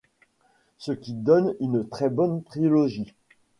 Ce qui donne une très bonne trilogie.